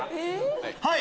はい！